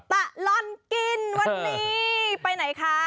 ตลอดกินวันนี้ไปไหนคะ